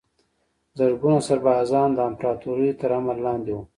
زرګونه سربازان د امپراتوریو تر امر لاندې وو.